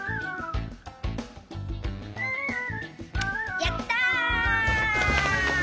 やった！